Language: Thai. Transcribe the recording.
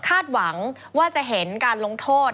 หวังว่าจะเห็นการลงโทษ